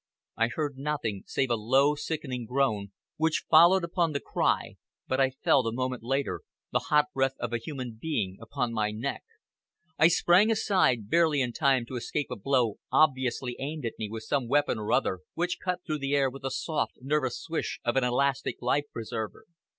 I heard nothing save a low, sickening groan, which followed upon the cry, but I felt, a moment later, the hot breath of a human being upon my neck. I sprang aside, barely in time to escape a blow obviously aimed at me with some weapon or other, which cut through the air with the soft, nervous swish of an elastic life preserver.